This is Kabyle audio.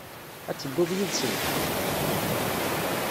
Ad tedduḍ yid-sen?